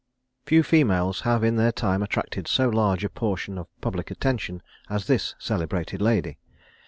Few females have in their time attracted so large a portion of public attention as this celebrated lady.